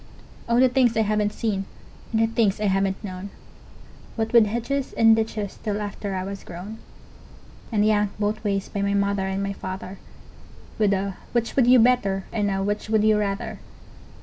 Oh, the things I haven't seen and the things I haven't known, What with hedges and ditches till after I was grown, And yanked both ways by my mother and my father, With a 'Which would you better?" and a "Which would you rather?"